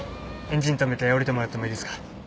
エンジン止めて降りてもらってもいいですか？